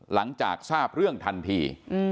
หลังจากทราบเรื่องทันที